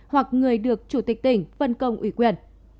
hoặc người được chủ tịch tỉnh phân công ủy quyền